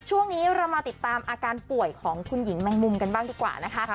ช่วงนี้เรามาติดตามอาการป่วยของคุณหญิงแมงมุมกันบ้างดีกว่านะคะ